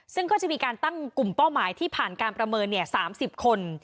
ซึ่งก็จะมีการตั้งกลุ่มเป้าหมายที่ผ่านการประเมิน๓๐คน